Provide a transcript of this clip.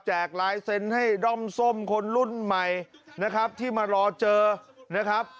ลายเซ็นต์ให้ด้อมส้มคนรุ่นใหม่นะครับที่มารอเจอนะครับ